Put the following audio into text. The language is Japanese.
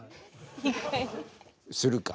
するか。